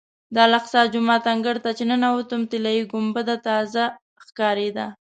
د الاقصی جومات انګړ ته چې ننوتم طلایي ګنبده تازه ښکارېده.